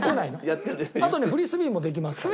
あとねフリスビーもできますから。